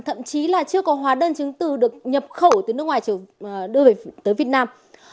thậm chí là chưa có hóa đơn chứng từ được nhập khẩu từ nước ngoài đưa về tới việt nam